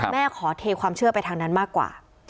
แม่ขอเทความเชื่อไปทางนั้นมากกว่า